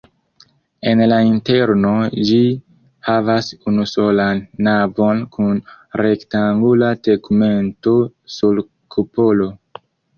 En la interno ĝi havas unusolan navon kun rektangula tegmento sur kupolo.